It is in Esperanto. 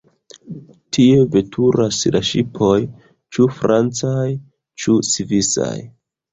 Tie veturas la ŝipoj, ĉu francaj, ĉu svisaj.